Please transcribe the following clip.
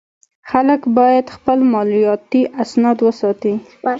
خلک باید خپل مالیاتي اسناد وساتي.